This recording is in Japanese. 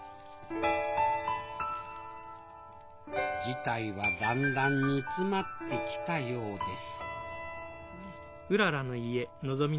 事態はだんだん煮詰まってきたようです